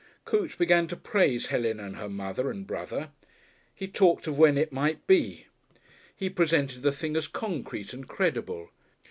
Coote began to praise Helen and her mother and brother. He talked of when "it" might be, he presented the thing as concrete and credible.